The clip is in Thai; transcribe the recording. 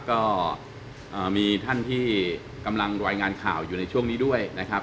ก็มีท่านที่กำลังรายงานข่าวอยู่ในช่วงนี้ด้วยนะครับ